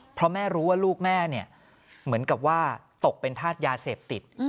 เพราะแม่รู้ว่าลูกแม่เนี่ยเหมือนกับว่าตกเป็นธาตุยาเสพติด